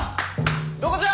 どこじゃ！